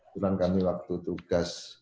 kemudian kami waktu tugas